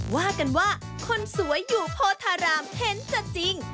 ว่ากันว่าคนสวยอยู่โพธารามเห็นจะจริง